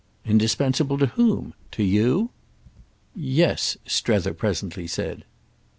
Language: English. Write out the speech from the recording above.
"Indispensable to whom? To you?" "Yes," Strether presently said.